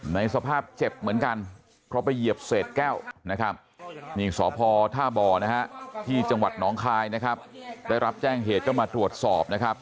ในสภาพเจ็บเหมือนกันเพราะไปเหยียบเศษแก้วนะครับนี่สพท่าบ่อนะฮะที่จังหวัดหนองคายนะครับได้รับแจ้งเหตุก็มาตรวจสอบนะครับ